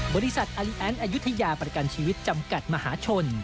บริษัทอลิแอนด์อายุทยาประกันชีวิตจำกัดมหาชน